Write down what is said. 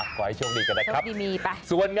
ขอให้ช่วงดีกันนะครับส่วนช่วงดีมีไป